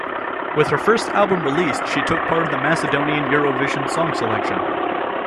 With her first album released, she took part in the Macedonian Eurovision song selection.